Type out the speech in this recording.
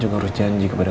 kasih tau papa